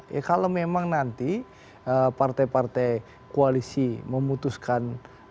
ya kalau memang nanti partai partai koalisi memutuskan